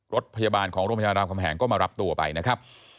รถพยาบาลของโรงพยาบาลรามคำแหงก็มารับตัวไปนะครับ